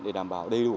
để đảm bảo đầy đủ